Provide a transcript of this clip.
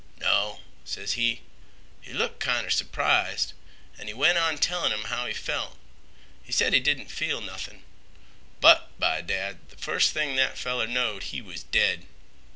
'No,' ses he. He looked kinder surprised, an' he went on tellin' 'em how he felt. He sed he didn't feel nothin'. But, by dad, th' first thing that feller knowed he was dead.